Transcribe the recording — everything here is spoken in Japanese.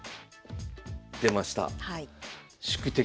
出ました。